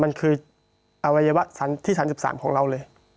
มันคืออวัยวะที่๓๓ของเราเลย